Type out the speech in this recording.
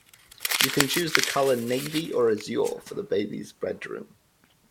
You can choose the colour Navy or Azure for the baby's bedroom.